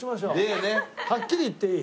はっきり言っていい？